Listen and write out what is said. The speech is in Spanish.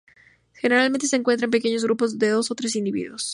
Generalmente se encuentra en pequeños grupos de dos o tres individuos.